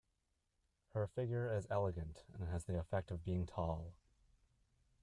Her figure is elegant and has the effect of being tall.